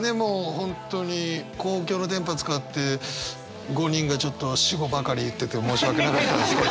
本当に公共の電波使って５人がちょっと私語ばかり言ってて申し訳なかったですけど。